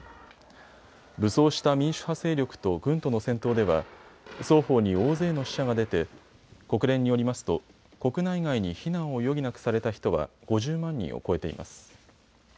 武装した民主派勢力と軍との戦闘では双方に大勢の死者が出て国連によりますと国内外に避難を余儀なくされた人は５０万人を超えています。